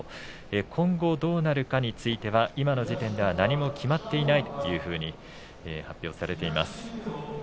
今後どうなるかについては今の時点では何も決まっていないというふうに発表されています。